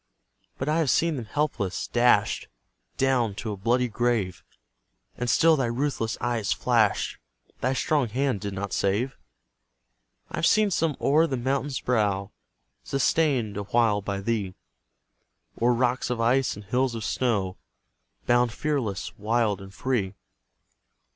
But I have seen them helpless, dash'd Down to a bloody grave, And still thy ruthless eye has flash'd, Thy strong hand did not save; I've seen some o'er the mountain's brow Sustain'd awhile by thee, O'er rocks of ice and hills of snow Bound fearless, wild, and free.